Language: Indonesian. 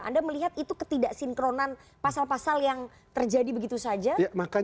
anda melihat itu ketidaksinkronan pasal pasal yang terjadi begitu saja tanpa terencana bang